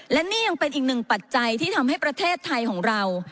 และนี่ยังเป็นอีกหนึ่งปัจจัยที่ทำให้ประเทศไทยของเรา